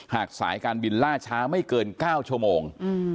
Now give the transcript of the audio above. สายการบินล่าช้าไม่เกิน๙ชั่วโมง